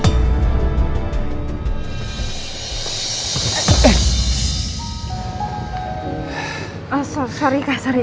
tidak ada yang bisa suruh dia kembali lagi sama nino